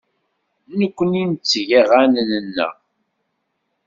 Nekkni ntteg aɣanen-nneɣ.